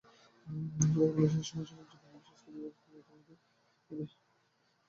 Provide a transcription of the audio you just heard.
তাকে বাংলাদেশের সমসাময়িক জীবন ও সংস্কৃতির একজন বুদ্ধিজীবী হিসেবে গণ্য করা হত।